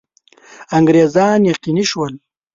انګرېزان یقیني شول.